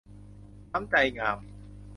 น้ำใจงาม